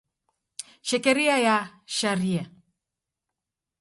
Shekeria ya sharia.